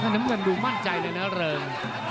น้ำเงินดูมั่นใจเลยนะเริง